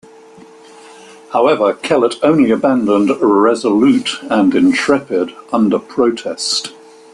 However, Kellett only abandoned "Resolute" and "Intrepid" under protest.